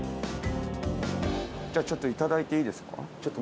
じゃあちょっといただいていいですか？